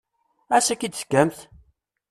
Ansa akka i d-tekkamt?